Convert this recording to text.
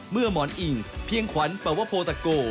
หมอนอิ่งเพียงขวัญปวโพตะโก